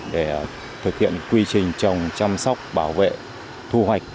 để thực hiện quy trình trồng chăm sóc bảo vệ thu hoạch